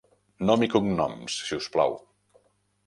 Nom i cognoms, sisplau.